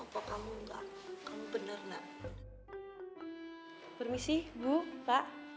papa kamu enggak